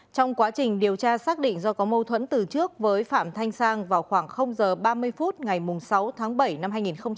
trong quá trình điều tra xác định do có mâu thuẫn từ trước với phạm thanh sang vào khoảng h ba mươi phút ngày sáu tháng bảy năm hai nghìn hai mươi